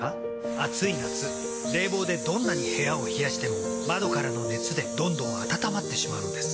暑い夏冷房でどんなに部屋を冷やしても窓からの熱でどんどん暖まってしまうんです。